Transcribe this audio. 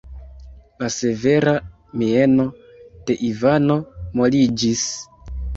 La severa mieno de Ivano moliĝis.